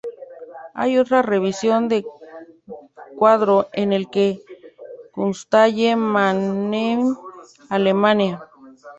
Hay otra versión del cuadro en el Kunsthalle Mannheim, Alemania.